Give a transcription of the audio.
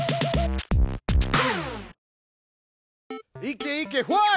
いけいけ！